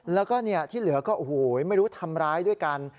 แล้วก็ที่เหลือก็โอ้โหไม่รู้ทำร้ายด้วยกัน